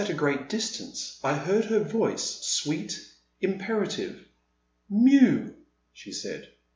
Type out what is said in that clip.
a great distance, I heard her voice, sweet, impera tive :Mew !" she said.